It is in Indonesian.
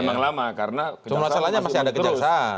emang lama karena kejaksaan masih ada terus